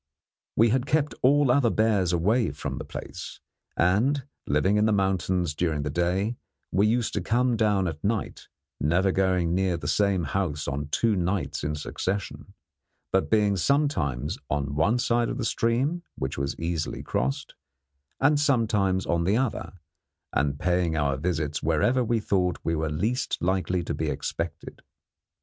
We had kept all other bears away from the place, and, living in the mountains during the day, we used to come down at night, never going near the same house on two nights in succession, but being sometimes on one side of the stream, which was easily crossed, and sometimes on the other, and paying our visits wherever we thought we were least likely to be expected.